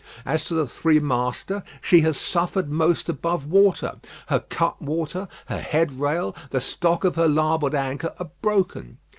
As to the three master, she has suffered most above water. Her cutwater, her headrail, the stock of her larboard anchor are broken.